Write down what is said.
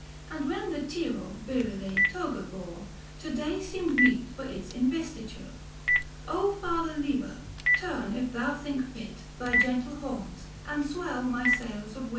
840 And when the Tiro virile toga bore To day seemed meet for its investiture. O Father Liber, turn if thou think fit Thy gentle horns, and swell my sails of wit.